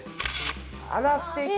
あらすてき！